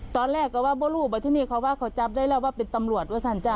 ตอนแรกเขาว่าไม่รู้ว่าที่นี่เขาว่าเขาจับได้แล้วว่าเป็นตำรวจว่าสัญจ้ะ